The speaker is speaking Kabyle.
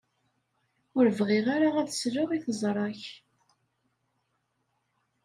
Ur bɣiɣ ara ad sleɣ i teẓra-k.